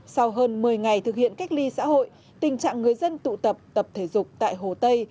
sau hơn một mươi ngày thực hiện cách ly xã hội tình trạng người dân tụ tập tập thể dục tại hồ tây